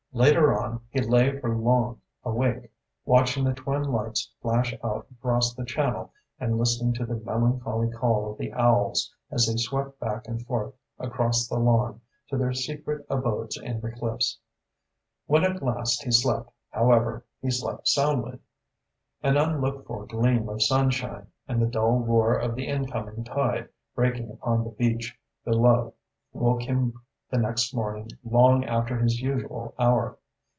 Later on, he lay for long awake, watching the twin lights flash out across the Channel and listening to the melancholy call of the owls as they swept back and forth across the lawn to their secret abodes in the cliffs. When at last he slept, however, he slept soundly. An unlooked for gleam of sunshine and the dull roar of the incoming tide breaking upon the beach below woke him the next morning long after his usual hour.